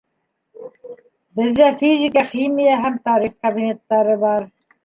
Беҙҙә физика, химия һәм тарих кабинеттары бар.